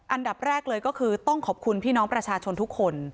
อันดับแรกเลยก็คือต้องขอบคุณพี่น้องประชาชนทุกคน